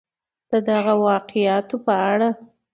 د دغه واقعاتو په اړه